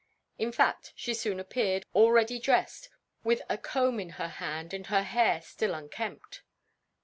In fact, she soon appeared, already dressed, with a comb in her hand and her hair still unkempt.